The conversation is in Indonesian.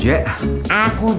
jack cilik tonga